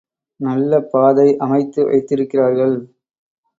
நல்ல பாதை அமைத்து வைத்திருக்கிறார்கள்.